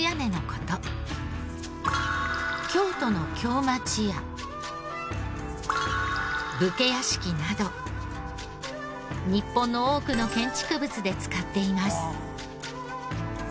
京都の京町家武家屋敷など日本の多くの建築物で使っています。